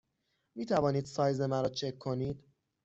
می توانید سایز مرا چک کنید؟